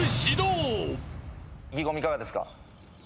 意気込みいかがですか？